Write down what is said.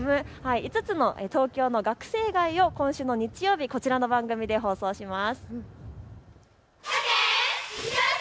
５つの東京の学生街を今週の日曜日、こちらの番組で放送します。